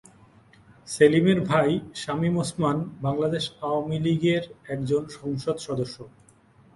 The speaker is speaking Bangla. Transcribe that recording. সেলিমের ভাই শামীম ওসমান বাংলাদেশ আওয়ামী লীগের একজন সংসদ সদস্য।